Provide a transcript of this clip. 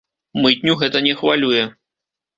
Мытню гэта не хвалюе.